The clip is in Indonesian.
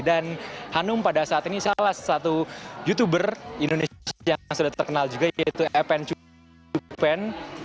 dan hanum pada saat ini salah satu youtuber indonesia yang sudah terkenal juga yaitu epen cupen